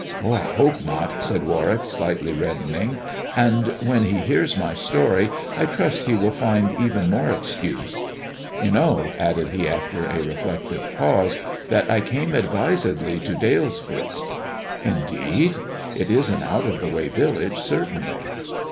"I hope. not," said Warwick, slightly reddening ; "and when he hears my story I trust he will find even more excuse. You know," added he after a reflective pause, " that I came advisedly to Dalesford." 56 THE dwarf's chamber " Indeed. It is an oat of the way village, certainly."